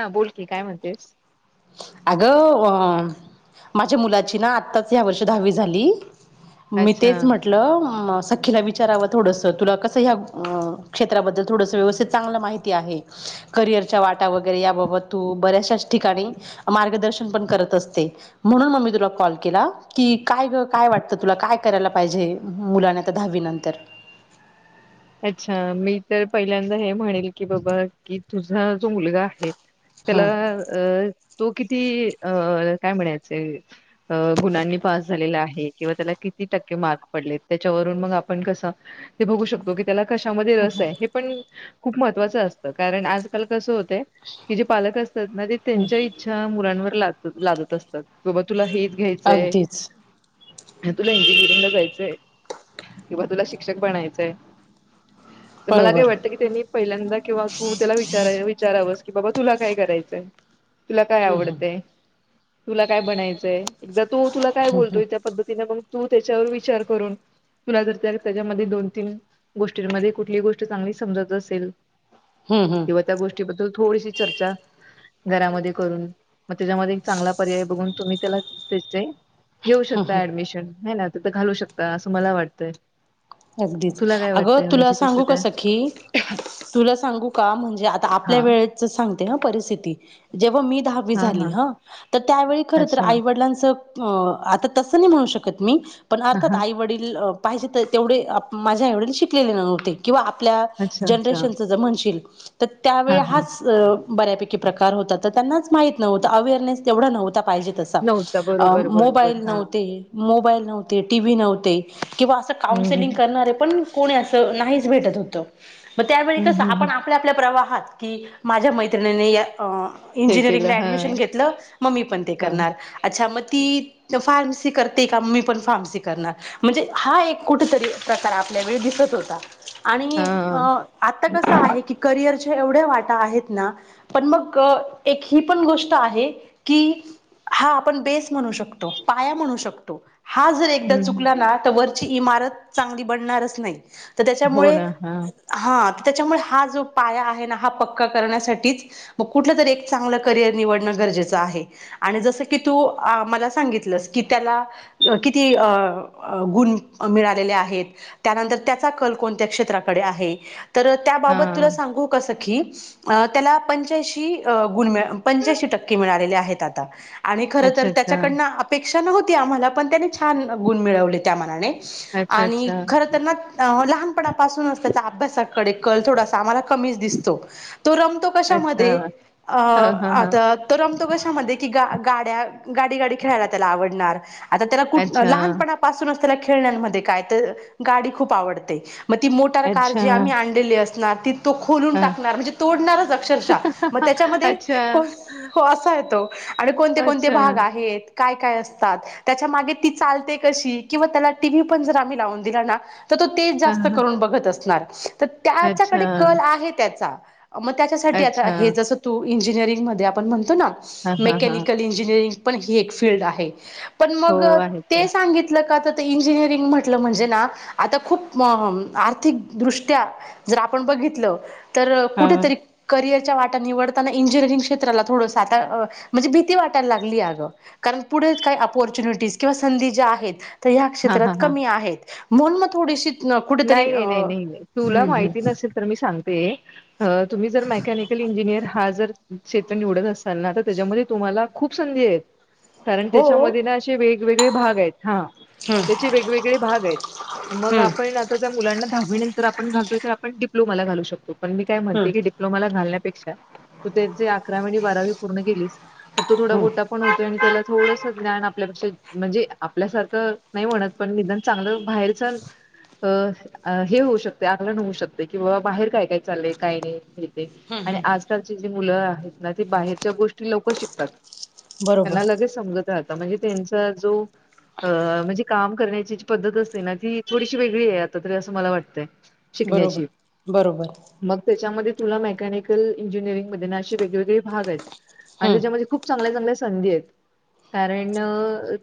हा बोलकी काय म्हणतेस? अगं अ माझ्या मुलाची ना आत्ताच ह्या वर्षी दहावी झाली मी अच्छा तेचं म्हटलं, सखीला विचारावं थोडसं तुला कसं ह्यां क्षेत्राबद्दल थोडसं व्यवस्थित चांगलं माहिती आहे. करियरंच्यां वांटा वगैरे यांबाबत तू बऱ्याचशाच ठिकाणीं मार्गदर्शन पणं करत असतें. म्हणूंन मी तुला कॉल केलां की काय गं? कायं वाटतं तुलां? काय करायलां पाहिजे मुलांना आता दहावीनंतर? अच्छा. मी तर पहिल्यांदा हे म्हणेलं की बाबा कि तुझा जो मुलगां आहे त्याला हं अ तो किती अ काय म्हणायचंय गुणांनी पास झालेलां आहे. किंवा त्याला किती किती टक्के मार्क पडलेत त्यांच्या वरून आपन मंग बघू शकतो की, कशामध्येरस आहे, हे पणं खूप महत्वाचं असतं. कारणं आजकाल कसं होतं कि जे पालक असतांत ना ते त्यांच्या इच्छा मुलांवर लाद लादत असतांत. बाबा तुला हेंच घ्यायचंय अगदीच तुला इंजिनिअरिंगला जायचंय किंवा तुला शिक्षक बनायचंय. मलां काय बरोबर वाटतं की त्यांनी पहिल्यांदा किंवा तू त्याला विचाराय विचारांवस कि बाबा तुला कायं करायचंय तुला कायं आवडतयं. तुला कायं बनायचंय? एकदा तो तुला कायं बोलतोय त्या पद्धतीने तू त्यांच्यावर विचार करून तुला जर त्या त्यांच्यामध्ये दोन-तीन गोष्टींमध्ये कुठलीही गोष्ट चांगली समजतं असेल हं हं किंवा त्या गोष्टींबद्दल थोडीशी चर्चा घरांमध्ये करून मग त्यांच्यामध्ये एक चांगला पर्याय बघून, तुम्ही त्याला त्याचे घेऊ शकतां ऍडमिशन. आहे ना? तिथं घालू शकतां असं मला वाटतंय. अगदींच. तुला काय अगं वाटतंय तुलां म्हणजे कसं सांगूका काय? सखि तुला सांगू का? म्हणजे आता हा आपल्या वेळेचं सांगते हं परिस्थिती जेंव्हा मी हा हा झालीं. अ त्यावेळीं खरं तरं अच्छा आईवडिलांच आतां तसं नाही म्हणू शकतं मी, पणं हा अर्थात हा आई वडील पाहिजे त तेवढे माझ्यां एवढे आई वडील शिकलेले नव्हते किंवा आ आपल्या अच्छा अच्छा जनरेशनचं म्हणशील तर हा त्यावेळी हा हाच बऱ्यापैकी प्रकार होतां तरं त्यांनाच माहीत नव्हतं. अवेअरनेस तेवढं नव्हतं आता पाहिजे तसां, नव्हता बरोबर बरोबर मोंबाईल हा नव्हते मो मोबाईल नव्हते, टीव्ही नव्हते किंवा असं हम्म हम्म काउन्सलिंग करणारे पणं कोणी असं नाहींच भेटतं होतं. हम्म हम्म हम्म. की माझ्यां मैत्रिणींनी अ हे केलं इंजिनिअरिंगला हा ऍडमिशन घेतलं, मम्मी पणं ते हा करणारं. अच्छा मंग ती फार्मसी करते का मी पण फार्मसी करणार, म्हणजे हा एक कुठंतरी प्रकार आपल्या वेळी दिसत होता. आणि हा आता कसं आहे की करियर ऐवढा वाटा आहे नां पण मग एक ही पण गोष्ट आहे की हां आपणं बेस म्हणू शकतो. पायां म्हणू शकतो हा जर एकदां हम्म हम्म चुकलां ना हम्म. तर वर चांदी पडणारच नाहीं तर हो त्यामुळें ना हा हं त्यांच्यामुळे हा जो पायां आहे ना हा पक्का करण्यासाठीच म कुठलं तरी एक चांगलं करियर निवडनं गरजेच आहे. जसकी तू मलां सांगित की त्याला किती अ गुणं मिळालेले आहेत. त्यांनंतर त्यांचा कल कोणत्या क्षेत्राकडे आहे? तरं हा त्याबांबतं तुलां सांगू सं त्याला पंच्याणशी गुण पंच्यांणशी टंक्के मिळालेले आहेत आता. आणि खर तर अच्छा अच्छा त्याच्याकडनं अपेक्षा नव्हती आम्हाला पण त्याने छान गुण मिळवले त्या मनात. अच्छा आणि खर लहानपणापून अस अभ्यासाकडे कल थोड आम्हा क. दिसतो तो रमतो अच्छा अच्छा कशामध्ये. अ हा हा हा आता तर आमतो कशामध्ये की ग गाडी. ाडी गाडी खेला त्याला आवड त्या अच्छा क ल. खेळण्यामध्ये काय तर गाडी खूप आवडते मग ती मोटार कार अच्छा जी आम्ही आणलेली असणार ती. तो खोलून हा टाकणार म्हणजे तोडणारच अक्षरशः मग त्याच्यामध्ये अच्छा असा येतो. आणि कोणते कोणते अच्छा भाग आहेत काय. त्याच्या त चाल क किवा त्याला टीवही पण जर आम्ही लावून दिला ना. तर तो तेच हा जास्त हा करून बघत असणार तर अच्छा त्याच्याकडे कल आहे त्याचा. मग त्याच्यासाठी आता अच्छा हे जसं तू इंजिनिअरिंगमध्येध्ये आपण म्हणतो ना हा हा हा मेकॅनिकल इंजिनिअरिंग. पण ह एक फीलड आहे पण हो मग आहे ते की सांगितलं का. इजिरिंग म्हट म्हणजे ना आता खूप आर्थिकदृष्ट्या जर आपण बघ. क. निव हा क्रे भी वाटयला लागलीण. चुनिटीधी ज्या आहेत हा हा केत्रात हा क आहेत म्ह थ. कुठेतरी नाही नाही अ नाही नाही नाही तुला हम्मम्. माहिती नसेल तर मी सांगते तुम्ही जर मेकॅनिकल इंजिनियर हा जर. क्षेत्र निवडत असताना आता त्याच्यामध्ये तुम्हाला खूप संधी आहेत. कारण हो त्याच्यामध्ये ना असे वेगवेगळे भाग आहेत हा. हम्म त्याचे वेगवेगळे भाग आहेत मग. हम्म आपण आता त्या मुलांना दहावी नंतर आपण घलो तर आपण डीप्लोमा घलू शकतो. पण मी काय म्हणते हम्म की डिप्लोमाला घलण्यापेक्षा. अकरावी आणि बारावी पूर्ण केलीच तर तो थोडा हम्म गोटा पण होतोय आणि त्याला थोडंस ज्ञान आपल्यापेक्षा. म्हणजे आपल्यासारखं नाही म्हणत पण निधान चांगलं बाहेरचल. अ हे होऊ शकते आगलान होऊ शकते कि बा बाहेर काय काय चालेल काय नाही. हम्म आणि हम्म आजकालचे जे मुलं आहेत. ना ते बाहेरच्या गोष्टी लवकर शिकतात बरोबर त्यांना लगेच समजत. णज त्यां जो म्हणजे काम करण्याची पद्त असते ना ती. व त्या. बरोबर बरोबर तुला मेकॅनिकल इंजिनिअरिंग मध्ये ना अे वेगवेगळे भाग आहेत आणि हम्म त्याच्यामध्ये खूप चांगल्या चांगल्या. संधेत. कारण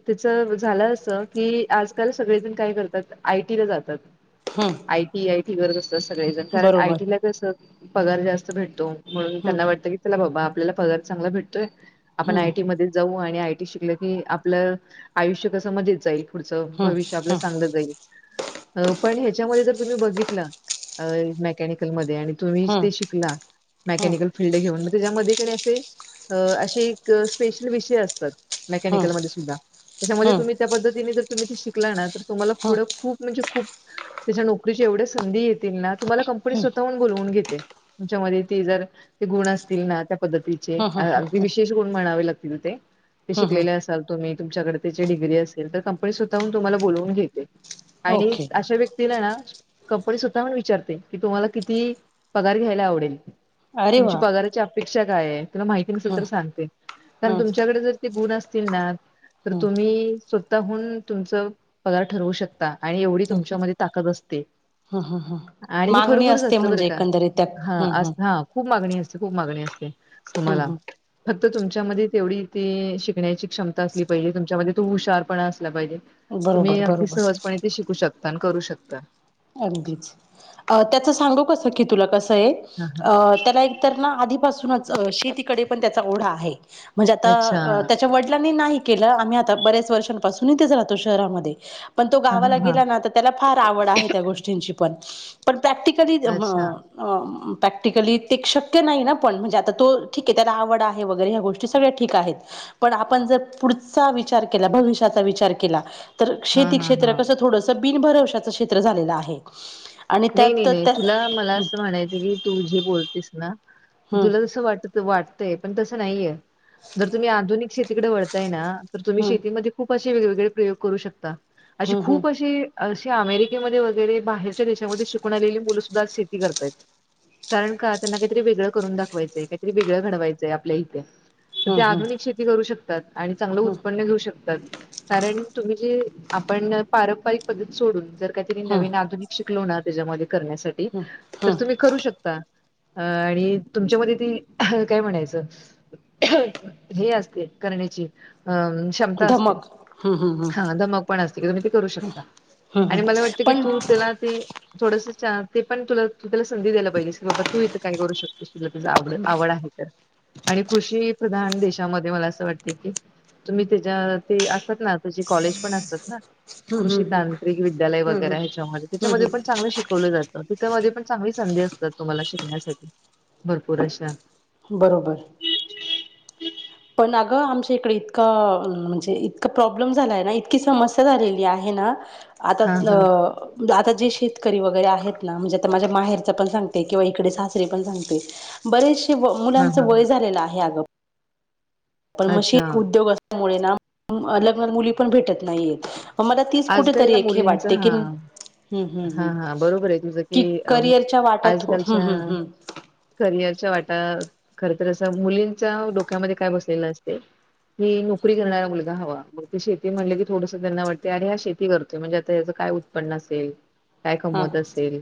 त्याच झालं अस की आजकाल सगळेजण काय करतात आय. जात हम्म आय टी आयी व असतात सगळेण कारण बरोबर आयटीला कस. पगार जास्त भेटतो म्हणून हम्म त्यांना वाटतं की चला बाबा आपल्याला पगार चांगला भेटतोय. आपण हम्म आय टी मध्ये जाऊ आणि आयटी शिकलं की आपलं आयुष्य कसं मजेत जाईल. पुढचं हम्म भविष्य आपल्या हम्म सांगलं जाईल. पण ह्याच्यामध्ये जर तुम्ही बघितलं मेकॅनिकलमध्ये. तुम्ही हम्म शिकला मेकनिकल फीलल्ड घेऊन त्याच्यामध्ये. असे एक स्पेशल विषय असतात. हम्म हम्म मेकॅनिकलमध्ये सुद्धा त्याच्यामध्ये हम्म तम् त्या पद्धतीने जर तुम्ही शिकला ना. तुम्हाला पुढं हम्म खूप म्हणजे खूप त्याच्या नोकरीच्या एवढ्या संधी येत. तु कं स्वतः बून घेते तच्या गुण अस. पद्ती हम्म हम्म अग हम्म विशेष कोण म्हणावे लागतील त ते हम्म शिकलेले हम्म असाल तुम्. तुमच्याडे त्याचीडग्री असल तर कंपनी स्वतःून तुम्हाला बलावून घेत. आणि ओके अशा व्यक्तीला ना. कपडे स्वतः म विचारते की तुम्हाला किती पगार घ्यायला आवडेल. अरे वा तुमची पगाराची अपेक्षा काय आहे. तुला माहिती नसल हम्म तर सांगते कारण हम्म तुमच्याकडे जर ते गुण असतील ना तर हम्म हम्म तुम्ही. हून तुमच पगार ठरवू शकता आणि एवढी हम्म तुमच्यामध्ये ताकद असते. हम्म हम्म हम्म आणि ते मागणी खरोखरच असते असत बरं म्हणजे का एकंदरीत त्या हा हम्म अस हम्म हा खूप मागणी अस.. खुप मागनी असते हम्म तुम्हाला. तर तुमच्यामध्ये तेवढी ते शिकण्याची क्षमता असली पहिले तुमच्यामध्ये तू हुशार पण... शिकला पाहिजे हम्म तुम्ही बरोबर अगदी बरोबर सहजपणे ते शिकू शकता आणि करू शकता. अगदीच त्याच सांगू कस की तुला कस. हां, हां. अं त्याला एकतर आधीपासून शेतीकडे पण त्याचा ओढा आहे. म्हणजे अच्छा. आता त्याच्या वडिलांनी नाही.. केलं आम्ही आता बऱ्याच वर्षांपासूनच राहतो शहरामध्ये. पण तो हां, हां, गावाला हां. गेला ना त त्याला फार आवड आहे. तेनचि पण पण प्रॅटलीकली अच्छा. अंअं.. प्रॅक्टिकली ते शक्य नाही ना पण म्हणजे आता तो ठीक आहे त्याला आवड आहे वगैरे ह्या गोष्टी सगळ्या ठीक आहेत... पण आपण जर पुढचा विचार केला भविष्याचा विचार केला.. तर हां, शेती हां, क्षेत्र हां. कसं थोडस बिनभरवशाचं क्षेत्र झालेलं आहे. आणि नाही नाही त्यात नाही त्या तुला मला असं म्हणायचं की तूझी बोलतेस ना.. ते हम्म तुला तस वाट वाटतय पण तसं नाहीये जर तुम्ही आधुनिक शेती.. तिकडे वळताय ना तर तुम्ही हम्म शेतीमध्ये खूप असे वेगवेगळे प्रयोग करू शकता. अशी हम्म हम्म खूप अशी अशी अमेरिकेमध्ये वगैरे बाहेरच्या देशत... त्यामुळ शिकून आलेली मुलं सुद्धा शेती करतयत. कारण का त्यांना काहीतरी वेगळं करून दाखवायचंय काहीतरी वेगळं घडवायचंय आपल्या इथे. तर ते हम्म आधुनिक हम्म शेती करू शकतात आणि चांगलं उत्पन्न घेऊ शकतात कारण तुम्ही जे... आपण पारंपरिक पद्धत सोडून जर काहीतरी हम्म हम्म नवीन हम्म आधुनिक शिकलो ना त्याच्यामध्ये.. करण्यासाठी हम्म तर तुम्ही हम्म करू शकता. अ आणि तुमच्यामध्ये ती काय म्हणायचं. हे असते करण्याची. अ क्षमता असते, धमक हम्म हम्म हा धमक पण असते तुम्ही ते करू शकता. हम्म हम्म आणि हम्म मला वाटतं की पण तू हम्म त्याला ते थोडस चांस ते पण तुला.. तू त्याला संधी द्यायला पाहिजे की बाबा तू इथं काय करू शकतोस तुला तुझ आवड आवड आहे तर. आणि कृषी प्रधान देशामध्ये मला असं वाटते की तुम्ही त्याच्या ते... म्हनतात ना तशि कॉलेज पण असतात ना हम्म कृषी हम्म तांत्रिक विद्यालय हम्म वगैरे हम्म ह्याच्यामध्ये. हम्म त्याच्यामध्ये पण चांगले शिकवले जातं तिच्यामध्ये पण चांग.. चांगली संधी असतात तुम्हाला शिकण्यासाठी भरपूर अशा.. बरोबर. पण अगं आमच्या इकडे इतकं अ म्हणजे इतका प्रॉब्लेम झालाय ना इतकी समस्या झालेली आहे. ना आता हा हा अ आता.. जे शेतकरी वगैरे आहेत ना म्हणजे आता माझ्या माहेरच पण सांगते किंवा इकडे सासरी पण सांगते बरेच... हा मुलांचं हा वय हा झालेलं आहे आग.. पण अच्छा मशीन उद्योग असल्यामुळे ना लग्नात मुली पण भेटत नाहीयेत. मग मला तीच आजकाल कुठेतरी ना एक हे मुलींच वाटते हा कि... हम् हम्म हम् हा हा बरोबर आहे तुझं की अ, करिअरच्या वाटत हम् आजकालच्या हम् हम्म. करिअरच्या वाटा.. खर तरर असं मुलींच्या डोक्यामध्ये काय बसलेलं असते की नोकरी करणारा मुलगा हवा. मग ते शेती म्हणले की थोडसं त्यांना वाटते अरे हा शेती करतोय म्हणजे आता याचं काय उत्पन्न असेल. काय हम्म कमत असेल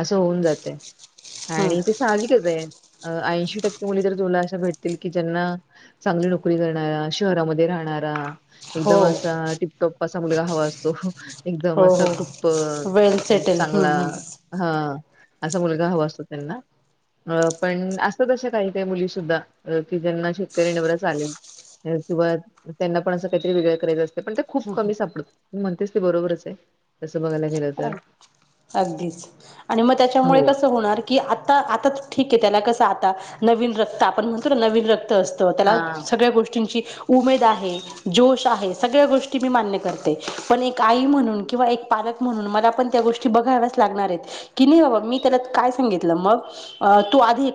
असं होऊन जाते हम्म आणि ते सांजिकच हे. ऐंशी टक्के मुली तर तुला अशा भेटतील की ज्यांना चांगली नोकरी करणारा शहरामध्ये राहणारा.. हो एकदम असा टिपटॉप असा मुलगा हवा असतो एकदम हो असा खूप.. हो वेल सेटल चांगला हम्म हम्म हा असा मुलगा हवा असतो त्यांना. अ पण असं तश काही काही मुली सुुद्धा की ज्यांना शेतकरी नवरच चालेल. किंवा त्यांना पण असं काहीतरी वेगळं करायचं असतं पण ते खूप कमी सापडत म्हणतेस ते बरोबरच आहे तसं बघायला गेलं तर.. अगदीच आणि मग त्याच्यामुळे हो. कस होणार की आता आता ठीक आहे त्याला कस.. ता नवीन रक्त आपण म्हण नवीन रक्त त्याला हा. सगळ्या गोष्टींची उमेद आहे जोश आहे सगळ्या गोष्टी मी मान्य करते पण एक आई म्हणून किंवा एक पालक ण मण गो ब ला बा मी त्या काय सगित [unintelligible] त आधी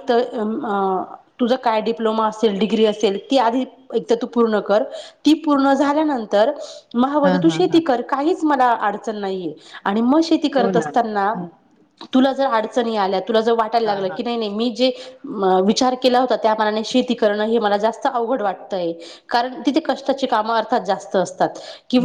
तुझ काय डिप्लोमा असेल डिग्री असेल ती आधी एक तू पूर्ण कर ती पूर्ण झाल्यानंतर मव हा तू हा शेती हा. कर काहीच मला अडचण नाहीे आणि मग शेती हो करत ना. असताना हो. तुला जर अडचणी आल्यात तुला जर वाटायला हा लागलं हा की नाही नाही मी जे विचार केला होता त्याना शेती करण हे मला जास्त अवघड वाटतय कारण तिथे क काम अर्थात जास्त अस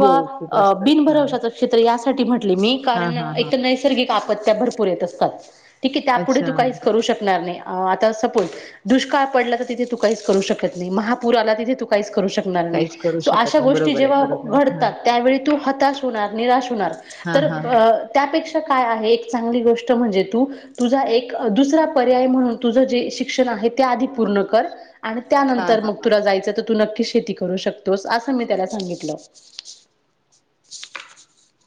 हो खूप असतात हा बिनभरव क्षेत्र यासाठी म्हटले मी हा कारण हा हा एक नैसर्गिक त्या भरपूर येत असतात ठी त्यापुढे अच्छा तू काही करू शकणार नाही आता सपोज दुष्काळ पडला तर तिथे तू काहीच करू शकत नाही महापूर आला तिथे तू काही नाही काहीच करू शकत अशा नाही गोष्टी बरोबर आहे जेव्हा बरोबर आहे हा घडतात त्यावेळी तू हताश होणार निराश होणार हा तर हा हा त्यापेक्षा च गो म्हणजे त तुझा एक दुस पर्याय म्हणून तुझे शिक्षण आहे त्या आधी पूर्ण कर आणि हा त्यानंतर हा मग तुला जायचं तू नक्की शेती करू शकतोस असं मी त्याला सांगितलं [inaudible]